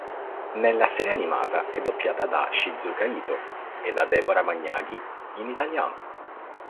Nella serie animata è doppiata da Shizuka Itō e da Debora Magnaghi in italiano.